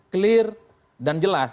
clear dan jelas